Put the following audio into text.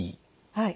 はい。